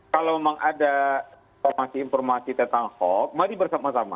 kalau memang ada informasi informasi tentang hoax mari bersama sama